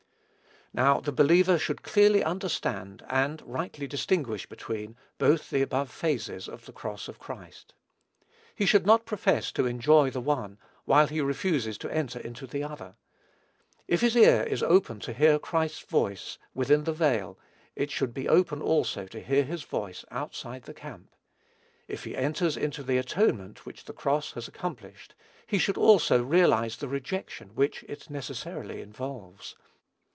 Now, the believer should clearly understand, and rightly distinguish between, both the above phases of the cross of Christ. He should not profess to enjoy the one, while he refuses to enter into the other. If his ear is open to hear Christ's voice within the veil, it should be open also to hear his voice outside the camp. If he enters into the atonement which the cross has accomplished, he should also realize the rejection which it necessarily involves.